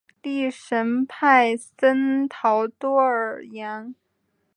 利什派森陶多尔扬。